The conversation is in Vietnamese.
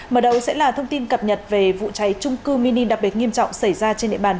mở đầu sẽ là thông tin cập nhật về vụ cháy trung cư mini đặc biệt nghiêm trọng xảy ra trên địa bàn